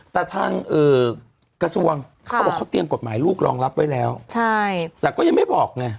แต่ทางกระทรวงเขาบอกเขาเตรียมกฎหมายลูกรองรับไว้แล้วแต่ก็ยังไม่บอกไง